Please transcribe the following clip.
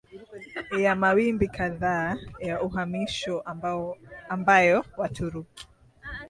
ya mawimbi kadhaa ya uhamisho ambayo Waturuki